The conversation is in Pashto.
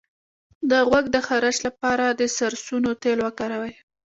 د غوږ د خارش لپاره د سرسونو تېل وکاروئ